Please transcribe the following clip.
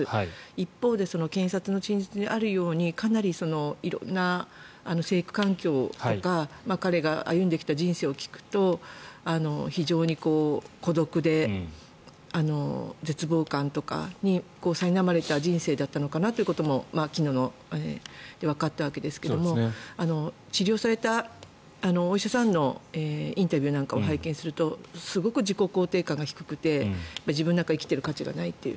一方で検察の陳述にあるようにかなり色んな成育環境とか彼が歩んできた人生を聞くと非常に孤独で絶望感とかにさいなまれた人生だったのかなということも昨日でわかったわけですが治療されたお医者さんのインタビューなんかを拝見するとすごく自己肯定感が低くて自分なんか生きてる価値がないという。